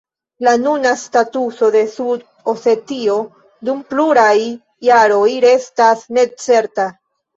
La nuna statuso de Sud-Osetio dum pluraj jaroj restas necerta.